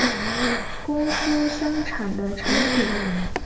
公司生产的产品